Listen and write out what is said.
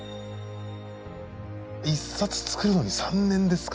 １冊作るのに３年ですか。